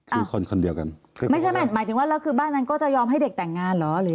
ถึงคนเดียวกันไม่ใช่ไหมหมายถึงว่าเราคือบ้านนั้นก็เยอร์มให้เด็กแต่งงานหรอ